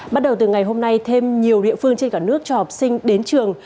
bắt đầu từ ngày hôm nay thêm nhiều địa phương trên cả nước cho học sinh đến trường